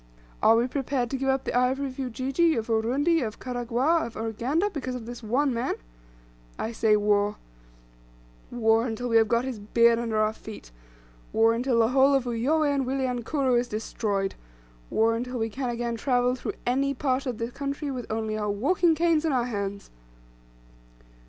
Are we prepared to give up the ivory of Ujiji, of Urundi, of Karagwah, of Uganda, because of this one man? I say war war until we have got his beard under our feet war until the whole of Uyoweh and Wilyankuru is destroyed war until we can again travel through any part of the country with only our walking canes in our hands!"